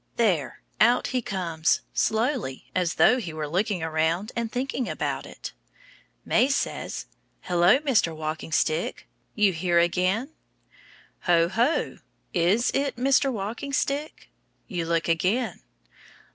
There, out he comes slowly, as though he were looking around and thinking about it. May says, "Hello, Mr. Walking Stick, you here again?" Ho! ho! is it Mr. Walking Stick? You look again.